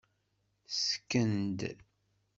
Ssken-d.